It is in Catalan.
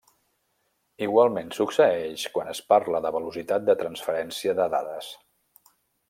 Igualment succeeix quan es parla de velocitat de transferència de dades.